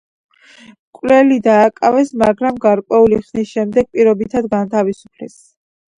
მკვლელი დააკავეს, მაგრამ გარკვეული ხნის შემდეგ პირობით გაათავისუფლეს.